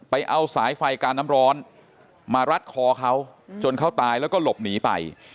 เอาสายไฟการน้ำร้อนมารัดคอเขาจนเขาตายแล้วก็หลบหนีไป